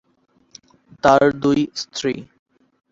তার দুই স্ত্রী।